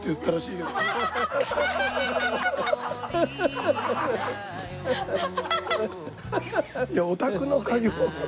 いやお宅の家業。